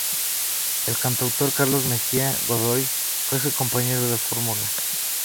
El cantautor Carlos Mejía Godoy fue su compañero de fórmula.